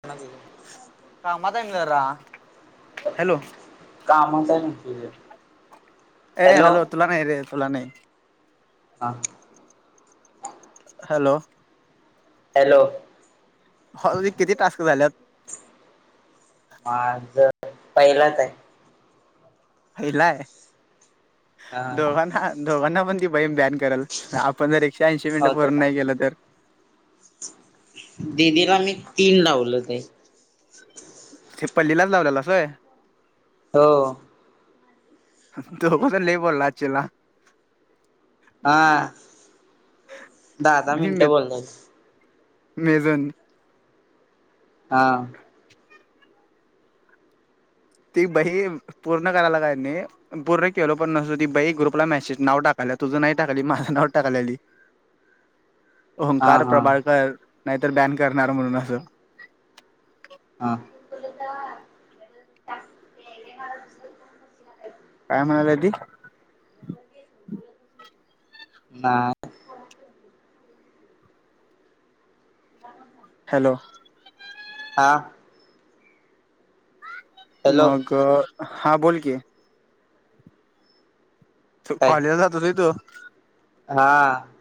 ह का माताार हॅलो कामात आहे नकी. ए हॅलो तुला नाही रे तोला नाही. हा हॅलो हॅलो हो त किती टास्क झालेत माझ पहिलाच आहे पहिलाय हा दोघांना दोघांना पण ती बहीम ब्यान करल. आपण जर एकशे ऐंशी मिनटं होत भरून का नाही गेलं तर. दिदीला मी तीन लावल ते आहे. िपल्लीलाच लावलेलासय. हो. तो बघ लय बोलला आचेला हा दहा दहा मिनटं बोलाईस. नाय जान हा ती बही पूर्ण करायला का नाही पूरण केलो पण नस ती बाई ग्रुपला मॅसेज नाव टाकायला तुझं नाही टाकली माझं नाव टाकलेली हा होंकार हा प्रभाळकर नाहीतर बॅन करणार म्हणून असं- हा. [unintelligible] काय म्हणालाय ती नाय. काय बोलला? हॅलो हा हॅलो मग हा बोल की, तु काय कॉलेजला जातोस होय तु हा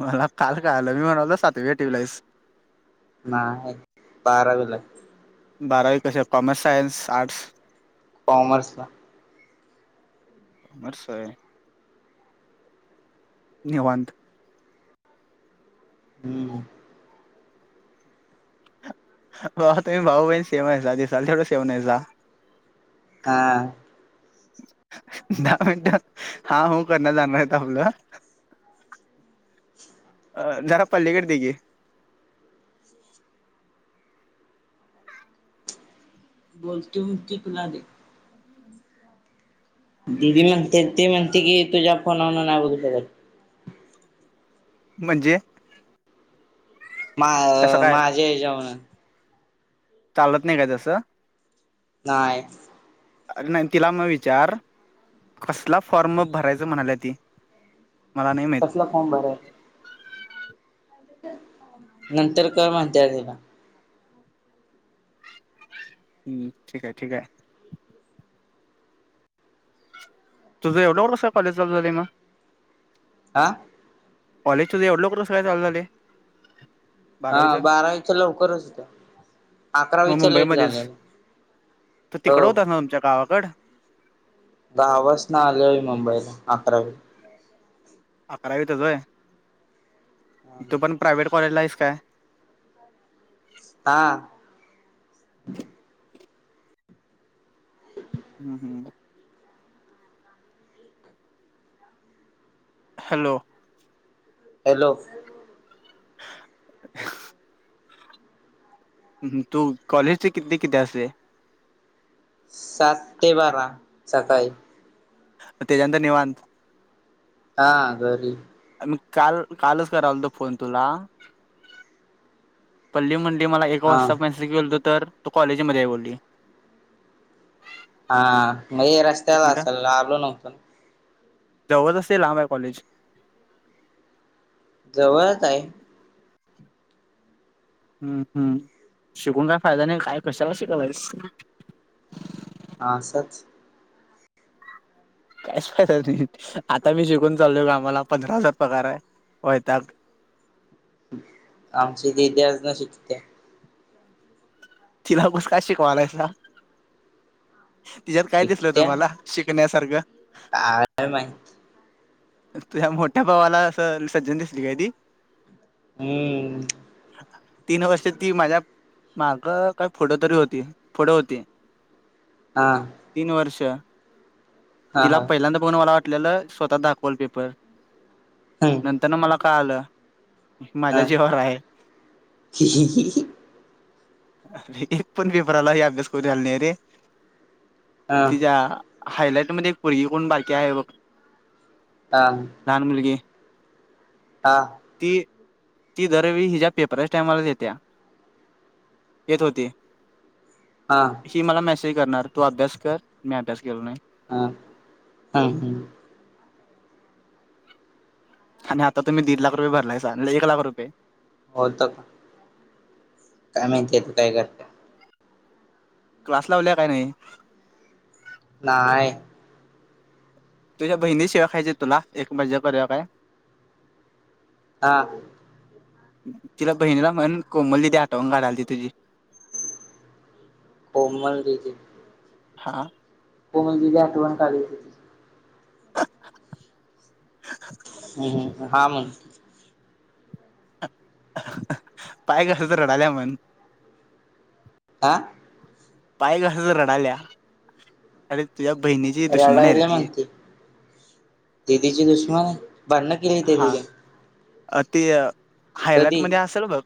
मला काल कळालं मी म्हणायचो सातवी आठवीला हाईस. नाय बारवीलाय. बारावी कशात कॉमर्स, सायन्स, आर्ट्स कॉमर्सला कॉमर्स व्हय. निवांत. हूं ब तुम्ही भाऊ बहीण सेम आहेत दिसायला तेवढं सेमं नाहीसा. हा. दहा मिनट हा हूं करण्यात जाणार आहे आपलं. [unintelligible] [unintelligible] अ जरा पल्लीकड त्याची बोलत्यूम तीकलदे दिदी म्हणते ती म्हणते की तुझ्या फोनवरणा नाय म्हणून करत. म्हणजे मा तसं काय माझ्या ह्याज्या वन चालत नाय काय तसं नाय. अरे नाय तिला म विचार कसला फॉर्म भरायचं म्हणाल्या ती मला नाय माहित कसला फॉर्म भरयचा नंतर कर म्हणताय तिला हम्म, ठीकाय ठीकाय. तुझ एवढा लवकर कस कॉलेज चालु झालंय मग? आं कॉलेज तुज एवढया लवकर कसं काय चालू झालय? हां, बारावीच्या लवकरच होत्या अकरावीच लेट झालय. तु तिकडं हुतास ना आमच्या गावाकड गावापासन आलोय मुंबईला अकरावीला. अकरावीतच आहे, तू पण प्रायव्हेट कॉलेजला आहेस काय? हां. [inaudible] हम्म हम् हॅलो हॅलो [unintelligible] तू कॉलेज ते कितीते किती असतय. सात ते बारा, सकाळी. म तेज्या नंतर निवांत हा, घरी. मी काल, कालच करायलतो फोन तुला. पल्ली म्हंनली मला, एका हा वाजता मेसेज केेलतो, तर तू कॉलेजमध्ये आहे बोलली. हां, मग एक रस्त्याला मिनिटं असल आलो नव्हतो. जवळ असते लांब आहे कॉलेज? जवळच आहे. हम्म, हम्म,, शिकून काय फायदा नाही, काय कशाला शिकायलायस? आसच. काहीच फायदाच नाही,, आता मी शिकून चालोलय कामाला, पंधरा हजार पगार आहे. होय त्याक. आमची दिदि आजुन शिकत्या. तिला मस का शिकवालायसा? तिच्यात काय दिसल शिकत्या तुम्हारा? शिकण्यासारखं. काय माहीत? तुझ्या मोठ्या भावाला असं, सज्जन दिसली काय ती,? हम्म तीन वर्ष ती माझ्या माग काय, फुड तरी होती, फुड होती. हां तीन वर्ष हा तिला हा पहिल्यांदा बघून मला वाटलेलं, स्वतः दाखव वॉलपेपर नंतर ना मला काय कळालं माझ्या हम्म जिवावर हाय. हा अरे एक पण पेपारला ही अभ्यास करून आला नाही रे तिच्या हायलाइट मध्ये एक पोरगी कोण बाारकी आहे बघ, हां, लहान मुलगी. हां, ती, ती दरवेळी हिच्या्, पेपरच्या टाइमालाच येत्या. येत होती. हां, ही मला मेसेज करणार,, तू अभ्यास कर, मी अभ्यास केलो नाही. हां, हम्म,, हम, आणि आता तुम्ही दिड लाख रुपये भरलायसा, एक लाख रुपये. होत. काय माहिती तर काय करत. क्लास लावल्या काय नाही? नाहीय तुझ्या बहिणी शिव्या खायचात तुला एक मज्जा करूया काय. हां तिला बहिणीला म्हण कोमल दिदी आठवन काढायली तुझी. [inaudible] कोमल दिदी. हां कोमल दिदी आठवण काढली. ह् ह, हा मग पाय कस तर रडाल्या मंग. आ, पाय कस रडाल्या,, अरे तुझ्या बहिणीची दुश्मन आहे र तीऽ दिदीचे दुश्मन, भांण केली ते दिऽ अ ते हायलाइट कधी मध्ये असेल बघ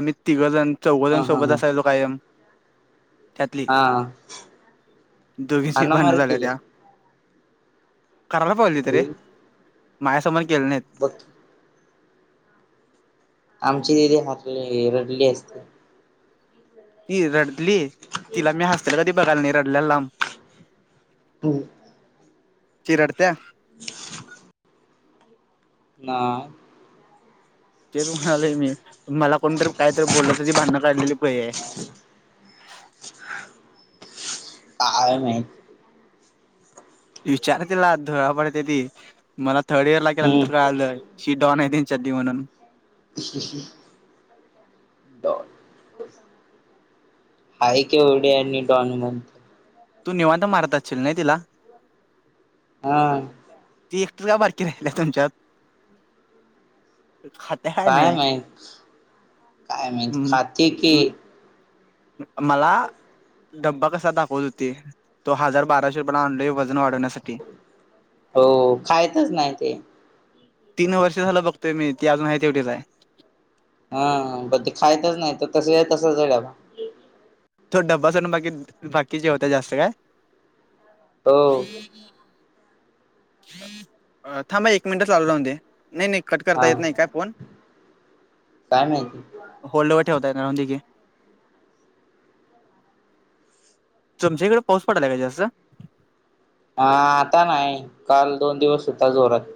आम्ही तिघजण हा चौघजण हा सोबत हा असायलो कायम त्यातली हा दोघींची अन भांडणं मर झाल्या केले त्या करायला पाहिली त रे मायासमोर केलं नाही बक आमची तथ हातली रडली असते ही रडली तिला मी हसतेल कधी बघायला नाही रडल्याला लांब हो चिरडते ह ना तेच म्हणाले मी मला कोणतरी काहीतरी बोललायचं ती भांडं काढलेली पाहिे आळ नाही विचार तिला धुळा पडते ती मला थर्ड इयर ला केल्या नंतर का शी डॉन आहे डनून इशी डॉन आय के डे आणि डॉनमन तू निवांध मारत असशील नाही तिला हा ती एकट का बारकी राहिल्या तुमच्यात काय नाही काय म हम्म काात की मला डब्बा कसा दाखवत होते तो हजार बाराशे रुपयाला आणले वजन वाढवण्यासाठी हो खायचच नाही ते तीन वर्ष झालं बघतय मी ती अजून आहे तेवटीच आहे हा ब ते खायच नाही तर तस तसच झाळ थोड ड्बा स बाकी बाकीचे होत जास्त काय हो थांबा एक मिनिटच लालू लावून दे नाही नाही कट करता हा येत नाही काय फोन काय माहिती होल्डवर ठेवताय ना राहंदी तुमच्याकडे पाऊस पडालाहिये असं हा आता नाही काल दोन दिवस सुद्धा जोरात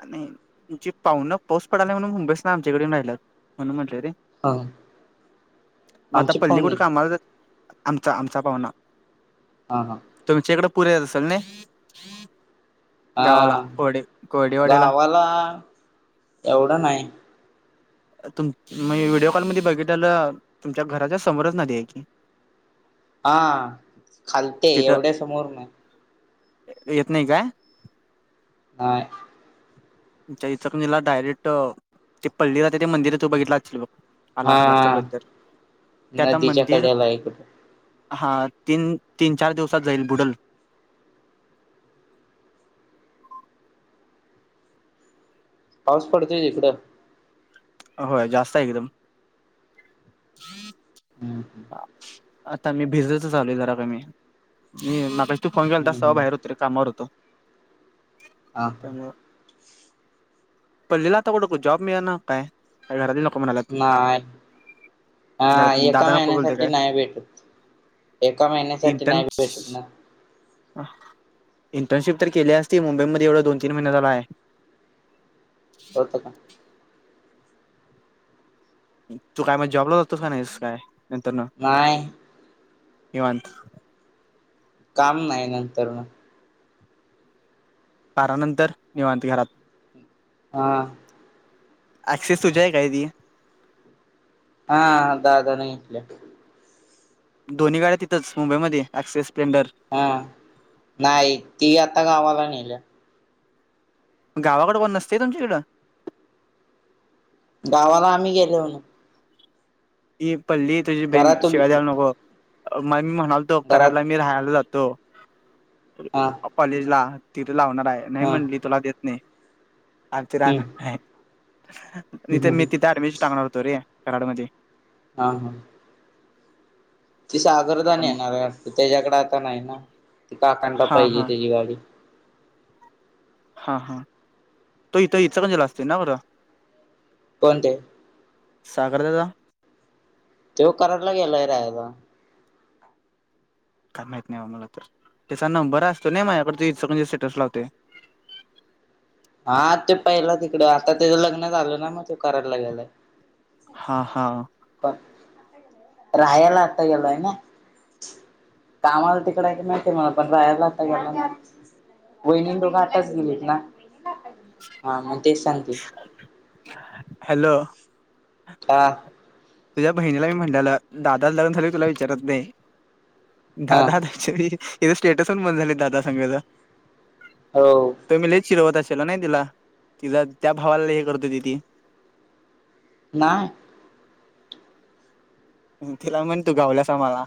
आणि तुमची पाहुून पाऊस पडालाय म्हणून मुंबईस ना आमच्याकडे राहिला म्हणून म्हटलंय रे ह मग आता आमची पाहुणे पल्लीकुड कामाला आमचा आमचा पाहुना हा हां तुमच्या इकडे पुरे येत असेल नई हा कोरडे कोरडेवाड्याला गावाला एवढं नाही तु म व्हिडिओ कॉल मध्ये बघितलं तुमच्या घराच्या समोरच नाही आहे की हा खालते तिथं एवढ्या समोर नाही येत नाही का नाही इचकरंजी डायरेक्ट ते पल्लीला त्या ते मंदिरात तू बघितला असेल बघ आला असला हा तरगर त्या आता नदीच्या मंदिर कड्याला इकडं हा तीन तीन चार दिवसात जाईल बुडल पाऊस फडते इकडं होय जास्त आहे एकदम हम् ह आता मी भिजसच चालो आहे जरा का मी मी मा तू फोन केला हम्म तस सव हम्म बाहेर होतर कामावर होत हा हा त्यामुळं पण ललीलाता त कड जॉब मिळळा ना काय का घरातील नको म्हणालात नाही घरात हा एका दादा नक नाही भेटत एका महिन्यासाठी इंटर्न नाही भेटत ना इंटर्नशिप तर केली असती मुंबईमध्येध्ये एवढं दोन तीन महिने झाला आहे होत का तू काय म्हण जॉबला जातोस का नाहीस काय नंतर न नाहीय निवांत काम नाही नंतर ना पारानंतर निवांते घरात हा ऍक्सेस तुझ्या आहे काय ती हा हा दादाण घेतले दोन्ही गड्या तथंच मुंबईमध्ये अऍक् स्प्लेंडर हा नाही ती आता गावाला नेल्या गावाकडे नसते तुमच्याकडं गावाला आम्ही गेलो हो ही पल्ली तुझी बहीण घरात उभी- शिवाय द्याला नको मझ मी म्हणाल दो घरात कराला मी राहायला जातो हा कॉलेज ला तिथे लावणार आहे नाही हा म्हणटली तुला देत नाही अग ते राह हम्म नाथे हम्म, हम्म. मी तिथे अऍडमिशन टाकणार होतो रे कराड मध्ये हा हा ती आता सागरदान येणार त्याच्याकडे आता नाही ना ती काकांना हा पाहिजे हा त्याची गाडी हा हा तो इथं इचलकरंजी असते ना खरं कोणते सागर दादा तो कराडला गेलाय राहाता काय माहित नाही बा मला तर त्याचा नंबर असतो ना माझ्याकडे त इकणे स्टेटस लावते हा ते पहिलं तिकडं आता तेचं लग्न झालं ना मग ते कराडलागेयला हा हा राहायला आता गलाय ना कामाला तिकड आहे की माहिती मला पण राहायर ला आता गेला वहिणी दोघं आताच गेलेत ना हा मग तेच सांगते हॅलो हा तुझ्या बहिणीला मी म्हटटलं दादा लग्न झाली तुला विचारत नाही हा दादा श याचा स्टेटस पण बंद झाले दादा संघाच हो तो मी लच चिरवत असेल नाही तिला तिचा त्या भावाला हे करतो ति ती नाही तिला म्हण तू गावलास मला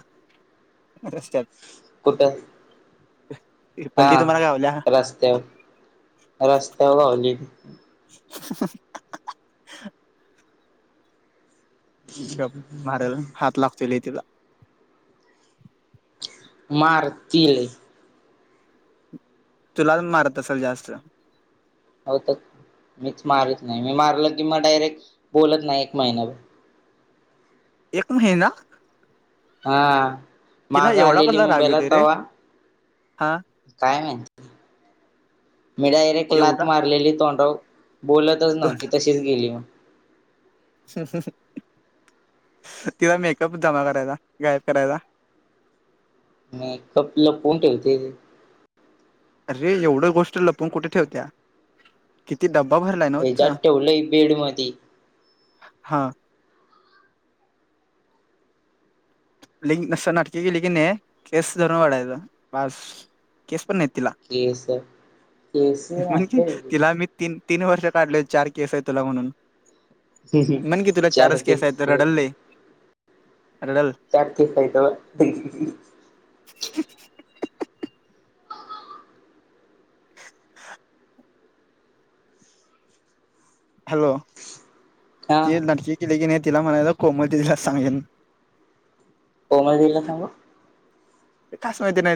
रस्त्यात कुठं [inaudible] हा पल्ली तुम्हाला गावल्या रस्त्यावर रस्त्यावर पावली. [unintelligible] गप्प मारलं हात लागतोय लय तीचा. मारती लय. तूला अजून मारत असल जास्त. होत मीच मारत नाही मी मारलं की म डायरेक्ट बोलत नाही एक महिनाभर एक महिना हा तिला माग एवढा आलेली कसला राग मुंबईला येतोय रे तवा्हा हा काय माहिती मी डायरेक्ट लात एवढा मारलेली तोंडव बोलत नव्हती तशीच गेली तिला मेकअप जमा करायचा गायब करायचा म कपलं फोन ठेवते. अरे एवढं गोष्ट लपवून कुठे ठेवत्या. किती डब्बा भरलाय नव्ह ह्याच्यात तीचा ठेवलंय बेड मधी हा. लय असं नाटके केलं की नाय केस धरुण ओडायचा बस केस पण नाही. केस केस मा म्हण की [unintelligible] तिला मी तीन तीन वर्ष काढले चार केस आहे तुला म्हणून. म्हण की तुला चारच केस आहे रडल लय रडल. चार केस आहेत व्हय. [inaudible] हॅलो हा ती नाटके केले की नाही तिला म्हणायच कोमल दिदीला सांगेन. कोमल दिदीला सांगू. खाास मैत्रीण आहे ती.